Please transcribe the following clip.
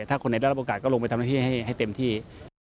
ถ้าคนไหนได้รับโอกาสก็ลงไปทำหน้าที่ให้เต็มที่